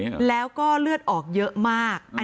แล้วก็เลือดออกเยอะมาก